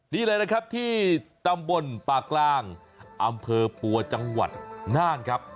นี่เลยนะครับที่ตำบลปากล่างอำเภอปัวจังหวัดน่านครับ